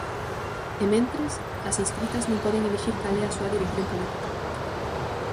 E mentres, as inscritas non poden elixir cal é a súa dirección política.